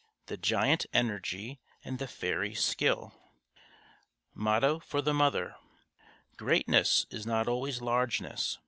The GIANT ENERGY & The FAIRY SKILL MOTTO FOR THE MOTHER _Greatness is not always largeness.